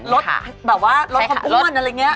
ลดความอ้วนอะไรอย่างนี้